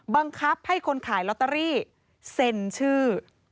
บังคับให้คนขายลอตเตอรี่เซ็นชื่อ